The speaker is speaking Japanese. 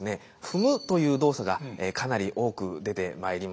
「踏む」という動作がかなり多く出てまいります。